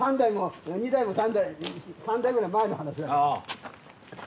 ２代も３代３代くらい前の話だから。